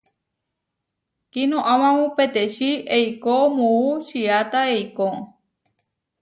Kinoamámu petečí eikó muú čiata eikó.